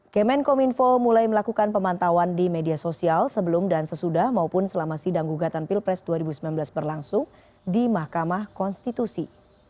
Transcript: kemenkominfo mulai melakukan pemantauan di media sosial sebelum dan sesudah maupun selama sidang gugatan pilpres dua ribu sembilan belas berlangsung di mahkamah konstitusi